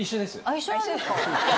一緒なんですか。